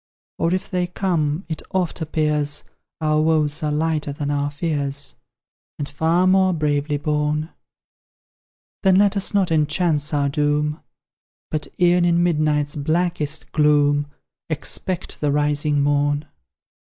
Or if they come, it oft appears, Our woes are lighter than our fears, And far more bravely borne. Then let us not enhance our doom But e'en in midnight's blackest gloom Expect the rising morn.